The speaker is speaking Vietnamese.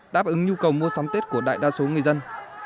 đáp ứng nhu cầu mua sắm tết của đại đa số người dân